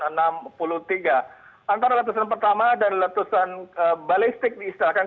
antara letusan pertama dan letusan balistik diistilahkan